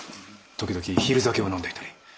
時々昼酒を飲んでいたり。